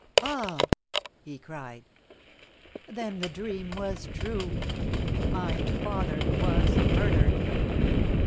"Ah!" he cried. "Then the dream was true. My father was murdered!"